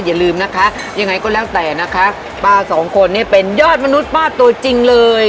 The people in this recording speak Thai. อย่าลืมนะคะยังไงก็แล้วแต่นะคะป้าสองคนเนี่ยเป็นยอดมนุษย์ป้าตัวจริงเลย